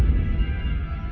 terima kasih ya sayangnya